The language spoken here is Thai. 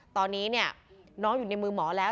ตอนนี้น้องอยู่ในมือหมอแล้ว